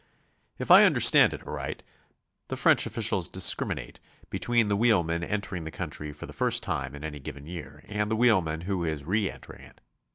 If I understand it aright, the French officials discrim inate between the wheelmen entering the country for the first time in any given year, and the wheelman w'ho is re enter'ing it.